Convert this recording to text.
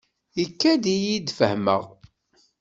Ikad-iyi-d fehmeɣ.